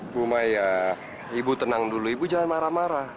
bu maya ibu tenang dulu ibu jangan marah marah